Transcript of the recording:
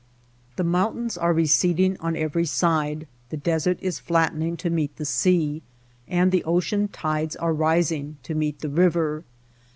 The mountains are receding on every side, the desert is flattening to meet the sea, and the ocean tides are rising to meet the river.